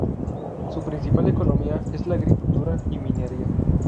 Su principal economía es la agricultura y minería.